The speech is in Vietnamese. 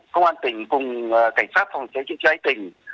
công an tỉnh cùng cảnh sát phòng chế chính trị tỉnh